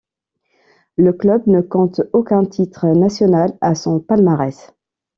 Le club ne compte aucun titre national à son palmarès.